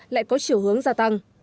lại có chiều hướng gia tăng